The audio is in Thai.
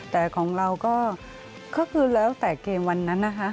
แต่ของเราก็ล้อแตกเกมวันนั้น